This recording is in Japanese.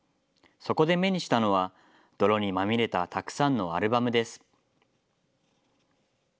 そこで目にしたのは、泥にまみれたたくさんのアルバムです。